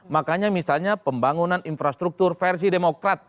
makanya misalnya pembangunan infrastruktur versi demokrat